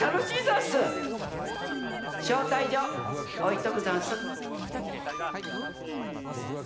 しょうたいじょうおいとくざんす。